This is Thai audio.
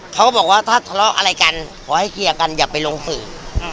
เขาก็บอกว่าถ้าทะเลาะอะไรกันขอให้เคลียร์กันอย่าไปลงสื่อ